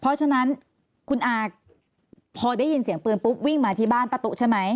เพราะฉะนั้นคุณอาพอได้ยินเสียงปืนปุ๊บวิ่งมาที่บ้านป้าตุ๊ใช่ไหม